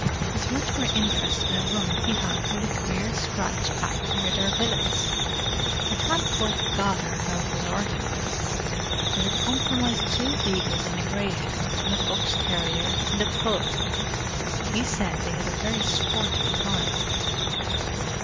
He's much more interested in a run he had with a queer scratch pack near their billets. I can't quite gather how it was organized, but it comprised two beagles and a greyhound and a fox terrier and a pug. He said they had a very sporting time!"